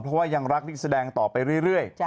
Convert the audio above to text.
เพราะว่ายังรักนักแสดงต่อไปเรื่อย